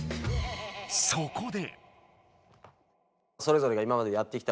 そこで。